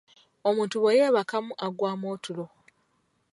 Omuntu bwe yeebakamu aggwamu otulo.